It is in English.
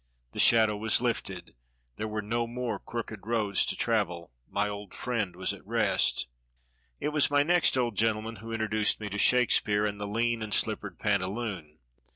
The shadow was lifted; there were no more crooked roads to travel; my old friend was at rest. It was my next old gentleman who introduced me to Shakespeare and the 'lean and slippered pantaloon.'